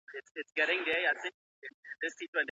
د ډیپلوماسۍ له لارې په افغانستان کي د وګړو حقونه نه دفاع کیږي.